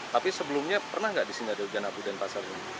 tapi sebelumnya pernah nggak di sini ada hujan abu denpasar ini